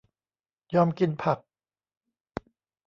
ยอมกินผัก